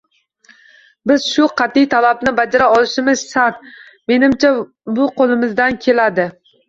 Biz bu qat’iy talabni bajara olishimiz shart, menimcha bu qo‘limizdan keladi